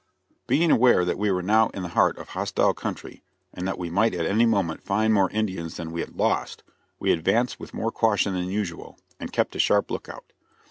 Being aware that we were now in the heart of the hostile country and that we might at any moment find more Indians than we had "lost," we advanced with more caution than usual, and kept a sharp lookout.